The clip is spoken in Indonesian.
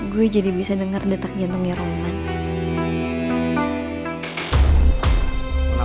gue jadi bisa dengar detak jantungnya roman